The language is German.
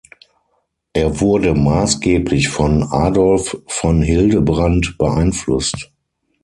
Er wurde maßgeblich von Adolf von Hildebrand beeinflusst.